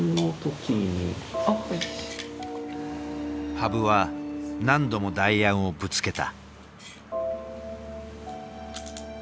羽生は何度も代案をぶつけた。